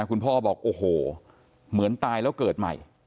คุณพ่อบอกโอ้โหเหมือนตายแล้วเกิดใหม่